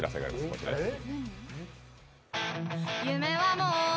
こちらです。